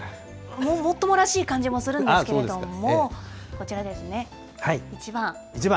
もっともらしい感じもするのですが、こちらですね、１番。